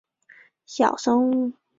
小松内大臣平重盛的正室。